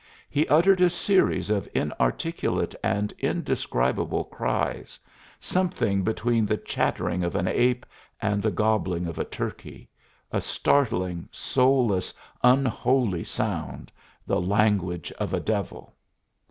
He uttered a series of inarticulate and indescribable cries something between the chattering of an ape and the gobbling of a turkey a startling, soulless, unholy sound, the language of a devil.